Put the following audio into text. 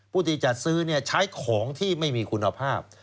ผู้ที่จัดซื้อใช้ของที่ไม่มีคุณภาพ